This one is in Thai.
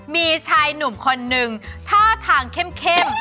มีชายหนุ่มคนนึงท่าทางเข้ม